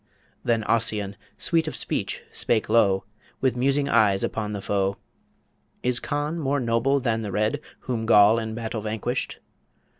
Then Ossian, sweet of speech, spake low, With musing eyes upon the foe, "Is Conn more noble than The Red, Whom Goll in battle vanquished?"